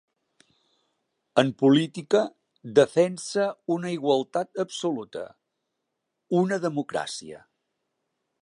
En política, defensa una igualtat absoluta: una democràcia.